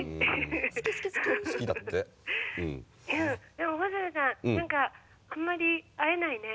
でも細野さん何かあんまり会えないね。